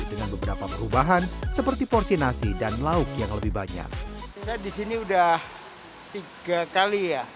dengan beberapa perubahan seperti porsi nasi dan lauk yang lebih banyak disini udah tiga kali ya